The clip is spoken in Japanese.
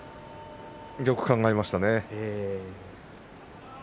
よく考えましたね。